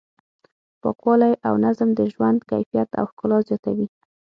پاکوالی او نظم د ژوند کیفیت او ښکلا زیاتوي.